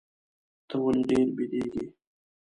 ته ولي ډېر بیدېږې؟